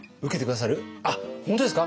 あっ本当ですか！？